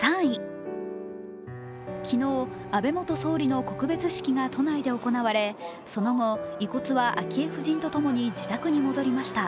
昨日、安倍元総理の告別式が都内で行われ、その後、遺骨は昭恵夫人と共に自宅に戻りました。